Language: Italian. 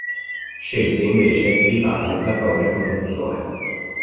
Scelse invece di farne la propria professione.